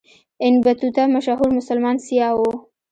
ابن بطوطه مشهور مسلمان سیاح و.